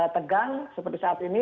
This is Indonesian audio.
tegang seperti saat ini